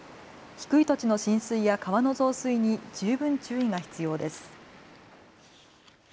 低い土地の浸水や川の増水に十分注意が必要です。